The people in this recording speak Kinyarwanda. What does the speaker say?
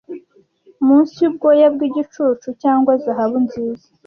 munsi yubwoya bwigicucu cyangwa zahabu nziza